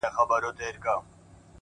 هغه په ژړا ستغ دی چي يې هيڅ نه ژړل ـ